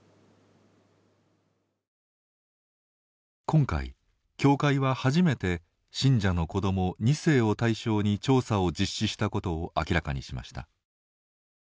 今回、教会は初めて信者の子ども、２世を対象に調査を実施したことを明らかにしました。